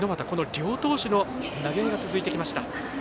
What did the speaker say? この両投手の投げ合いが続いてきました。